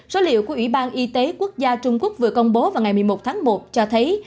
số liệu của ủy ban y tế quốc gia trung quốc vừa công bố vào ngày một mươi một tháng một cho thấy